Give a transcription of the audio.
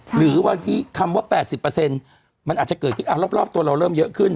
หรือบางทีคำว่า๘๐มันอาจจะเกิดขึ้นรอบตัวเราเริ่มเยอะขึ้น